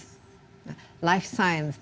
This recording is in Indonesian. ada yang namanya forum reset life science